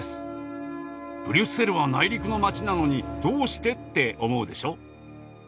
「ブリュッセルは内陸の街なのにどうして？」って思うでしょ？